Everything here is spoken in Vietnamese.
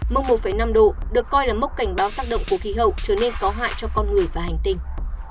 mông một năm độ được coi là mốc cảnh báo tác động của khí hậu trở nên có hại cho con người và hành tinh